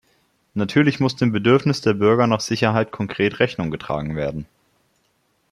Natürlich muss dem Bedürfnis der Bürger nach Sicherheit konkret Rechnung getragen werden.